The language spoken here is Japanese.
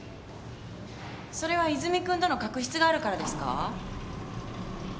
それは泉君との確執があるからですか？